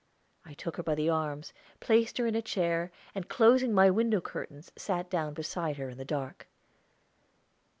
I took her by the arms, placed her in a chair, and closing my window curtains, sat down beside her in the dark.